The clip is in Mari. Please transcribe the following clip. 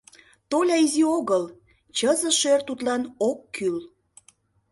Толя изи огыл, чызе шӧр тудлан ок кӱл.